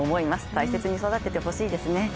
大切に育ててほしいですね。